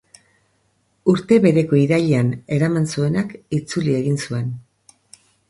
Urte bereko irailean eraman zuenak itzuli egin zuen.